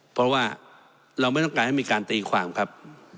เพราะว่าเราไม่ต้องการให้มีการตีความครับ